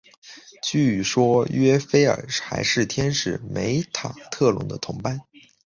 据说约斐尔还是天使梅塔特隆的同伴。